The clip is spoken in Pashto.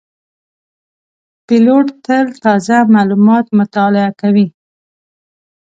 پیلوټ تل تازه معلومات مطالعه کوي.